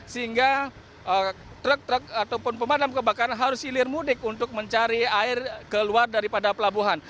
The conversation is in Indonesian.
sehingga truk truk ataupun pemadam kebakaran harus hilir mudik untuk mencari air keluar daripada pelabuhan